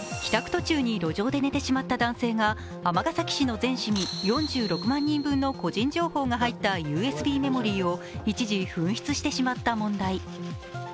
途中に路上で寝てしまった男性が尼崎市の全市民４６万人分の個人情報が入ったＵＳＢメモリーを一時紛失してしまった問題。